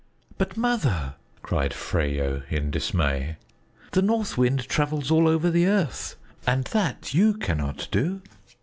"But, Mother!" cried Freyo in dismay, "the North Wind travels all over the earth, and that you cannot do.